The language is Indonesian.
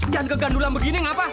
jangan kegandulan begini ngapa